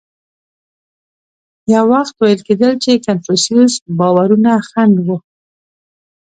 یو وخت ویل کېدل چې کنفوسیوس باورونه خنډ و.